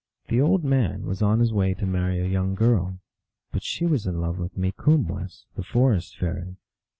The old man was on his way to marry a young girl. But she was in love with Mikumwess, the forest fairy.